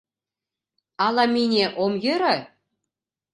Ала мине ом йӧрӧ?